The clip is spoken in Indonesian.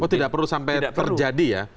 kok tidak perlu sampai terjadi ya